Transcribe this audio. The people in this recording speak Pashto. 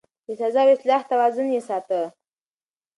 د سزا او اصلاح توازن يې ساته.